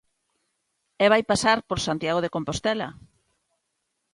E vai pasar por Santiago de Compostela.